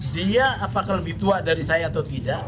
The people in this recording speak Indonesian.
dia apakah lebih tua dari saya atau tidak